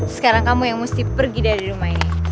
sekarang kamu yang mesti pergi dari rumah ini